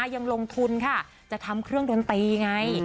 ยังลงทุนค่ะจะทำเครื่องดนตรีไง